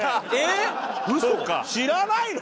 知らないの？